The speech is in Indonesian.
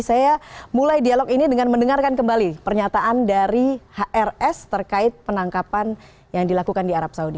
saya mulai dialog ini dengan mendengarkan kembali pernyataan dari hrs terkait penangkapan yang dilakukan di arab saudi